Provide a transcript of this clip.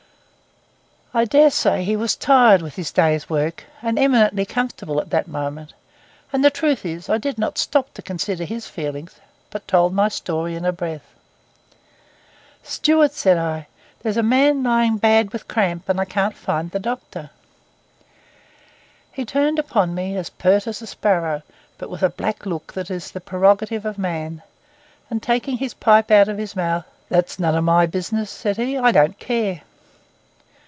I dare say he was tired with his day's work, and eminently comfortable at that moment; and the truth is, I did not stop to consider his feelings, but told my story in a breath. 'Steward,' said I, 'there's a man lying bad with cramp, and I can't find the doctor.' He turned upon me as pert as a sparrow, but with a black look that is the prerogative of man; and taking his pipe out of his mouth— 'That's none of my business,' said he. 'I don't care.